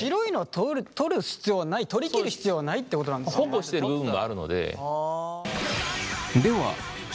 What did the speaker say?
保護してる部分もあるので。